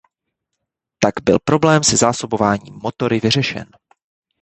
Tak byl problém se zásobováním motory vyřešen.